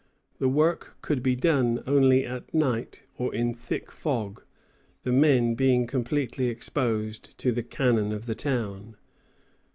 The work could be done only at night or in thick fog, the men being completely exposed to the cannon of the town.